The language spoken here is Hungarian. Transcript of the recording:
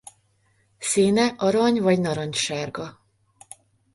Színe arany- vagy narancssárga.